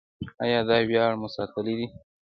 آیا دا ویاړ مو ساتلی دی؟